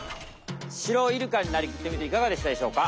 シロイルカになりきってみていかがでしたでしょうか？